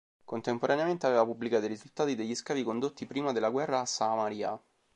Contemporaneamente aveva pubblicato i risultati degli scavi condotti prima della guerra a Samaria.